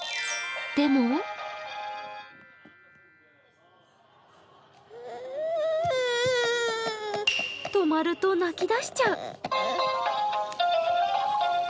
でも止まると泣き出しちゃう。